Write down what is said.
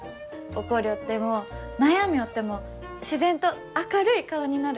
怒りょっても悩みょうっても自然と明るい顔になる。